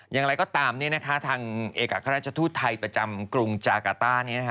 อย่างไรก็ตามทางเอกราชทูตไทยประจำกรุงจากาต้า